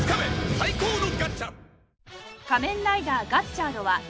最高のガッチャ！